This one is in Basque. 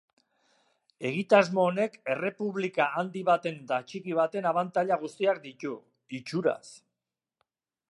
Egitasmo honek errepublika handi baten eta txiki baten abantaila guztiak ditu, itxuraz.